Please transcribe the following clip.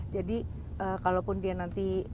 jadi kalaupun dia nanti